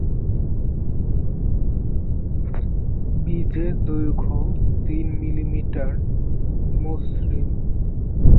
বীজের দৈর্ঘ্য তিন মিলিমিটার, মসৃণ।